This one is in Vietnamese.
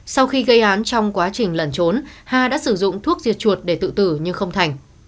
sau khi gây án trong quá trình lẩn trốn hà đã sử dụng thuốc diệt chuột để tự tử nhưng không thành